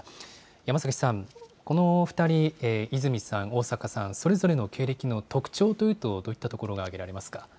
山崎さん、この２人、泉さん、逢坂さん、それぞれの経歴の特徴というと、どういったところが挙げられますか。